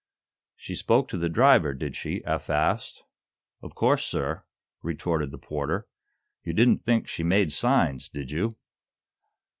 "She spoke to the driver, did she?" Eph asked. "Of course, sir," retorted the porter. "You didn't think she made signs, did you?"